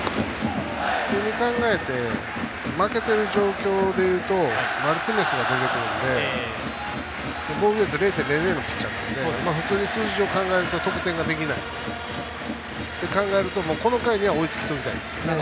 普通に考えて負けてる状況でいうとマルティネスが出てくるので防御率０．００のピッチャーなので普通に数字を考えると得点ができないって考えるとこの回には追いついておきたい。